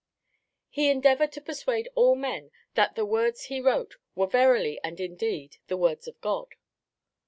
He endeavoured to persuade all men that the words he wrote were verily and indeed the words of God.